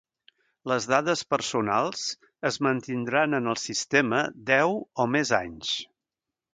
Les dades personals es mantindran en el sistema deu o més anys.